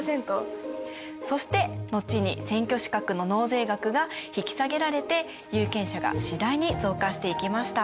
そして後に選挙資格の納税額が引き下げられて有権者が次第に増加していきました。